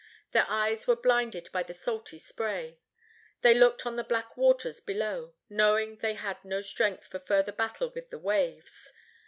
Their eyes were blinded by the salty spray. They looked on the black waters below knowing they had no strength for further battle with the waves.